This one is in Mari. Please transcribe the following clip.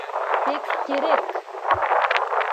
Пектерек!